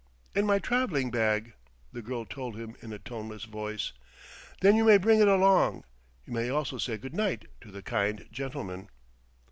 "In my traveling bag," the girl told him in a toneless voice. "Then you may bring it along. You may also say good night to the kind gentlemen."